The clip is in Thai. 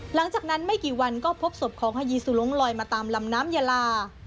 หลังจากนั้นไม่กี่วันก็พบศพของฮายีสุลงลอยมาตามลำน้ำยาลา